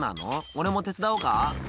俺も手伝おうか？」